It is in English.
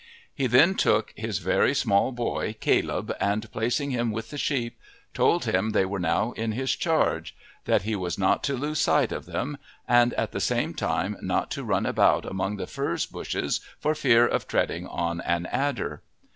He then took his very small boy, Caleb, and placing him with the sheep told him they were now in his charge; that he was not to lose sight of them, and at the same time not to run about among the furze bushes for fear of treading on an adder.